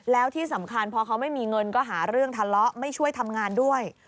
แล้วที่สำคัญพอเขาไม่มีเงินก็หาเรื่องทะเลาะไม่ช่วยทำงานด้วย